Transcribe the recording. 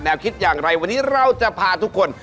คิดอย่างไรวันนี้เราจะพาทุกคน